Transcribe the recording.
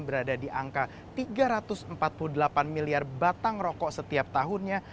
berada di angka tiga ratus empat puluh delapan miliar batang rokok setiap tahunnya